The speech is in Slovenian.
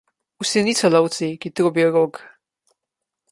Vsi niso lovci, ki trobijo rog.